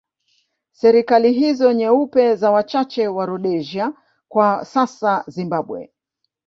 Serikali hizo nyeupe za wachache wa Rhodesia kwa sasa Zimbabwe